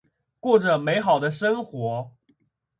过着美好的生活。